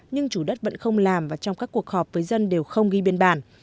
nhưng chủ đất vẫn không làm và trong các cuộc họp với dân đều không ghi biên bản